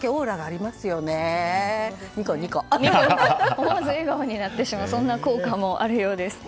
思わず笑顔になってしまうそんな効果もあるようです。